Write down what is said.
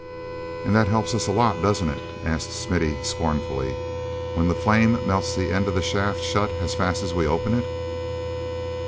"And that helps us a lot, doesn't it," asked Smithy, scornfully, "when the flame melts the end of the shaft shut as fast as we open it?"